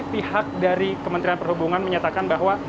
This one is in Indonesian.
pihak dari kementerian perhubungan menyatakan bahwa